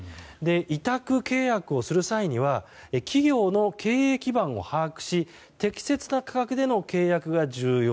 委託契約をする際には企業の経営基盤を把握し適切な価格での契約が重要。